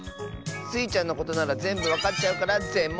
スイちゃんのことならぜんぶわかっちゃうからぜん